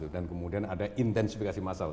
dan kemudian ada intensifikasi masal